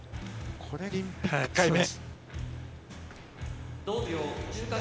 １回目。